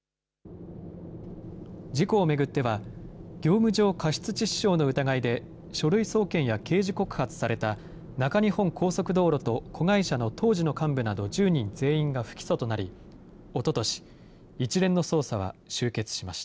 事故を巡っては、業務上過失致死傷の疑いで、書類送検や刑事告発された中日本高速道路と子会社の当時の幹部など１０人全員が不起訴となり、おととし、一連の捜査は終結しまし